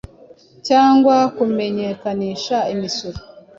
cyangwa kumenyekanisha imisoro